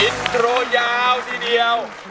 อินโทรยาวทีเดียว